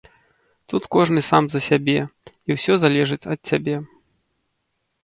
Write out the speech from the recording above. Тут кожны сам за сябе, і ўсё залежыць ад цябе.